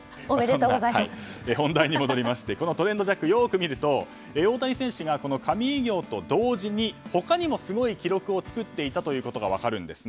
本題に戻りましてトレンドジャックをよく見ると大谷選手が神偉業と同時にすごい記録を作っていたことが分かるんです。